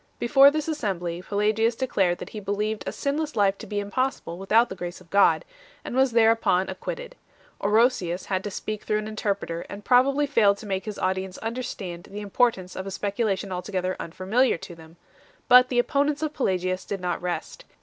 Before this assembly Pelagius declared that he believed a sinless life to be impossible without the grace of God, and was thereupon acquitted 1 . Orosius had to speak through an interpreter, and probably failed to make his audience understand the importance of a speculation altogether unfamiliar to them. But the opponents of Pelagius did not rest.